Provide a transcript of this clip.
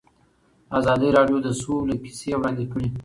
ازادي راډیو د سوله کیسې وړاندې کړي.